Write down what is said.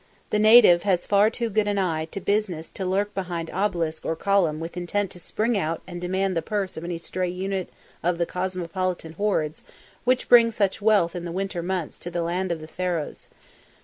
The native has far too good an eye to business to lurk behind obelisk or column with intent to spring out and demand the purse of any stray unit of the cosmopolitan hordes which bring such wealth in the winter months to the land of the Pharaohs.